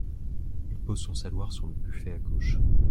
Il pose son saloir sur le buffet à gauche.